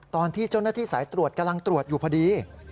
ตอนที่เจ้าหน้าที่สายตรวจกำลังตรวจอยู่พอดี